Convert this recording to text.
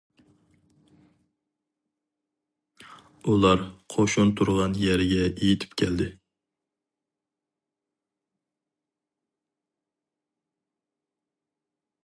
ئۇلار قوشۇن تۇرغان يەرگە يېتىپ كەلدى.